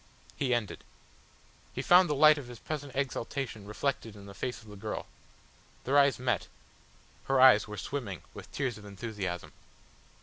He ended. He found the light of his present exaltation reflected in the face of the girl. Their eyes met; her eyes were swimming with tears of enthusiasm.